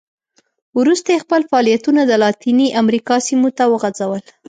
وروسته یې خپل فعالیتونه د لاتینې امریکا سیمو ته وغځول.